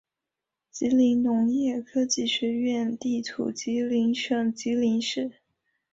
吉林农业科技学院地处吉林省吉林市。